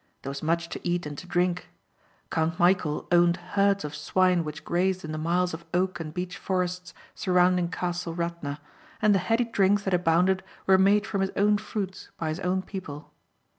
There was much to eat and to drink. Count Michæl owned herds of swine which grazed in the miles of oak and beech forests surrounding Castle Radna and the heady drinks that abounded were made from his own fruits by his own people.